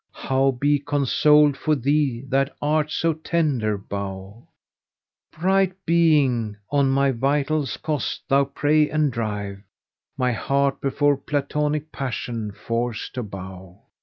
* How be consoled for thee that art so tender bough? Bright being! on my vitals dost thou prey, and drive * My heart before platonic passion's[FN#490] force to bow.